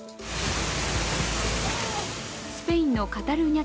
スペインのカタルーニャ